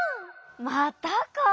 またか。